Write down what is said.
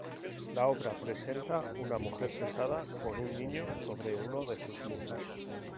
La obra presenta una mujer sentada con un niño sobre uno de sus muslos.